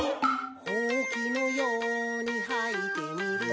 「ほうきのようにはいてみる」